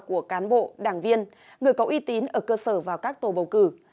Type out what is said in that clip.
của cán bộ đảng viên người có uy tín ở cơ sở vào các tổ bầu cử